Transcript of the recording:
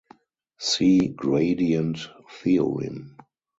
See gradient theorem.